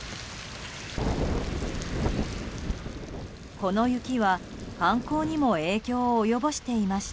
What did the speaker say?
この雪は、観光にも影響を及ぼしていました。